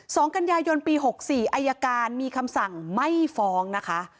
สองกันยายนปีหกสี่อายการมีคำสั่งไม่ฟ้องนะคะ